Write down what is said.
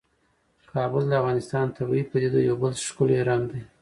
کابل د افغانستان د طبیعي پدیدو یو بل ښکلی رنګ دی.